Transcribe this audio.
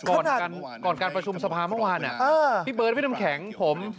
ก่อนก่อนการประชุมสภาเมื่อวานพี่เบิร์ดพี่น้ำแข็งผม